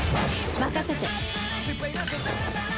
任せて！